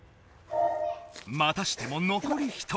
またしても残り１人。